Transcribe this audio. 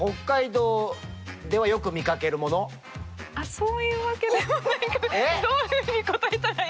そういうわけではないかも。